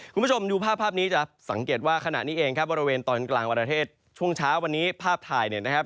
คุณผู้ชมดูภาพภาพนี้จะสังเกตว่าขณะนี้เองครับบริเวณตอนกลางประเทศช่วงเช้าวันนี้ภาพถ่ายเนี่ยนะครับ